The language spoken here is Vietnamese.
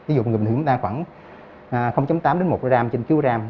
ví dụ như chúng ta khoảng tám một gram trên chứa gram